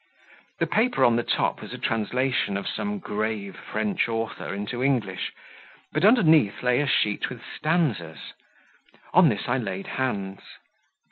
The paper on the top was a translation of some grave French author into English, but underneath lay a sheet with stanzas; on this I laid hands.